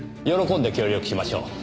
喜んで協力しましょう。